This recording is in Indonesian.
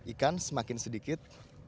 ikan semakin sedikit